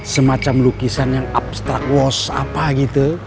semacam lukisan yang abstrak wash apa gitu